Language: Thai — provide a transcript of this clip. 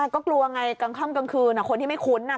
ก็กลัวข้ามกลางคืนคนที่ไม่คุ้นน่ะ